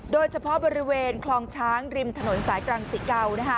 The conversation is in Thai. โดยเฉพาะบริเวณคลองช้างริมถนนสายตรังสิเกา